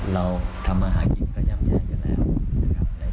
เราทำมาหากินก็ย้ำแย่อยู่แล้ว